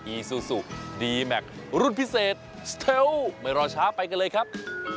อีซูซูดีแมครุ่นพิเศษสเทลไม่รอช้าไปกันเลยครับ